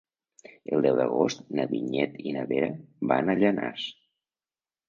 El deu d'agost na Vinyet i na Vera van a Llanars.